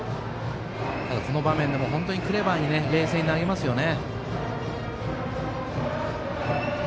ただ、この場面でもクレバーに冷静に投げますよね。